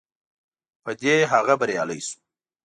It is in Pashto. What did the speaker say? په دې هغه بریالی شو.